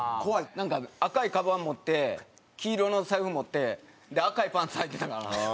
なんか赤いカバン持って黄色の財布持ってで赤いパンツはいてたから。